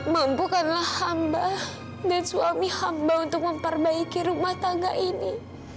mampukanlah hamba dan suami hamba untuk memperbaiki rumah tangga ini